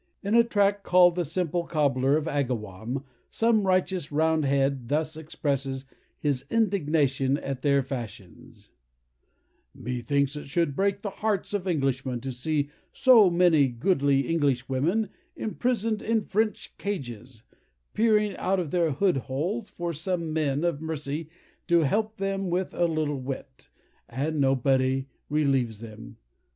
In a tract, called the "Simple Cobler of Agawam," some righteous round head thus expresses his indignation at their fashions:— "Methinks it should break the hearts of Englishmen to see so many goodly Englishwomen imprisoned in French cages, peering out of their hood holes for some men of mercy to help them with a little wit, and nobody relieves them.